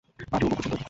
Party উপভোগ করছেন তো?